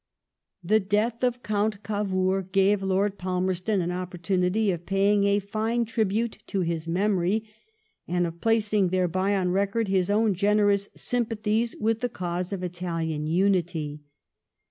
The death of Count Cavour gave Lord Palmerston an opportunity of paying a fine tribute to his memory, and of placing thereby on record his own generous sympathies with the cause of Italian unity.